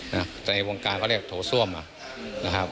ในวงการเขาเรียกโถส้วมอะ